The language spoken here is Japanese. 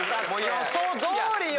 予想どおりよ！